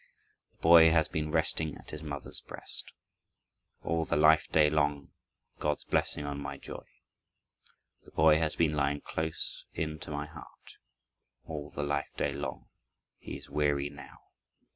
The boy has been resting at his mother's breast All the life day long. God's blessing on my joy. The boy has been lying close in to my heart All the life day long. He is weary now.